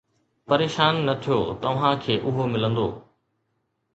پريشان نه ٿيو توهان کي اهو ملندو